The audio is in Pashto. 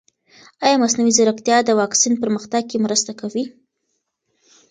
ایا مصنوعي ځیرکتیا د واکسین پرمختګ کې مرسته کوي؟